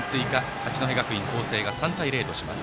八戸学院光星が３対０とします。